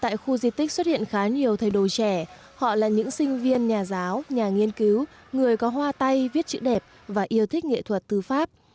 tại khu di tích xuất hiện khá nhiều thầy đồ trẻ họ là những sinh viên nhà giáo nhà nghiên cứu người có hoa tay viết chữ đẹp và yêu thích nghệ thuật thư pháp